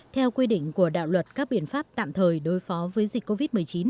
theo quy định của đạo luật các biện pháp tạm thời đối phó với dịch covid một mươi chín